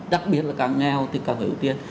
đặc biệt là càng nghèo thì càng phải ưu tiên